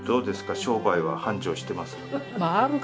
商売は繁盛してますか？